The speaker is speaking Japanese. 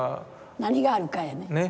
何があるかやね。